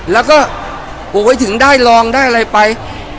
แล้วก็ถึงได้ลองได้อะไรไป